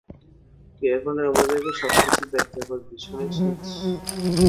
তুই এখন আমাদেরকে সবকিছু ব্যাখ্যা করবি, শুনেছিস?